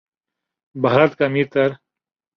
بھارت کا امیر تر